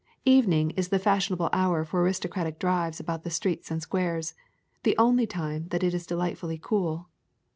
Evening is the fashionable hour for aristocratic drives about the streets and squares, the only time that is delightfully cool.